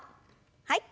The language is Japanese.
はい。